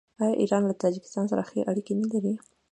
آیا ایران له تاجکستان سره ښې اړیکې نلري؟